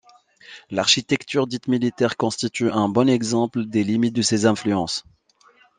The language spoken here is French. L'architecture dite militaire constitue un bon exemple des limites de ces influences.